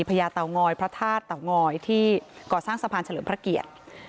ญาเตางอยพระธาตุเตางอยที่ก่อสร้างสะพานเฉลิมพระเกียรติ